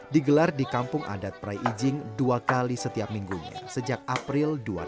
digelar di kampung adat prai ijin dua kali